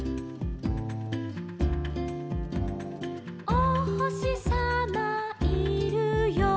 「おほしさまいるよ」